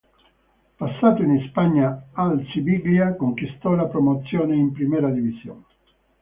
Passato in Spagna al Siviglia, conquistò la promozione in Primera División.